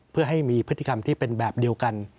เพื่อให้มีพฤติกรรมที่เป็นแบบเดียวกัน